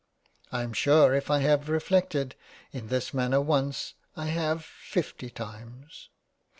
I am sure if I have reflected in this manner once, I have fifty times.